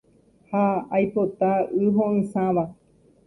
Ha aipota y ho’ysãva.